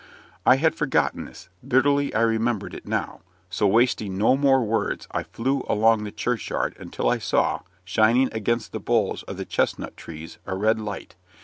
I had forgotten this; bitterly I remembered it now. So wasting no more words, I flew along the church yard, until I saw, shining against the boles of the chestnut trees, a red light.